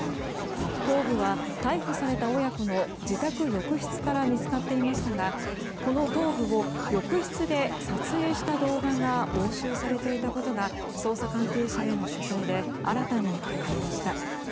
頭部は逮捕された親子の自宅浴室から見つかっていましたがこの頭部を浴室で撮影した動画が押収されていたことが捜査関係者への取材で新たに分かりました。